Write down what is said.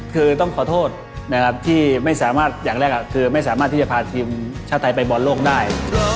คือต้องขอโทษที่ไม่สามารถที่จะพาทีมชาติไทยไปบรรโลกได้